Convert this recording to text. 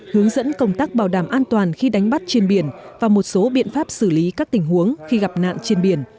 hướng dẫn công tác bảo đảm an toàn khi đánh bắt trên biển và một số biện pháp xử lý các tình huống khi gặp nạn trên biển